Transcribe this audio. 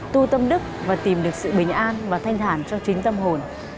tu tâm đức và tìm được sự bình an và thanh thản cho chính tâm hồn